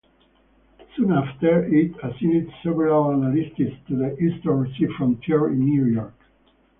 Soon after, it assigned several analysts to the Eastern Sea Frontier in New York.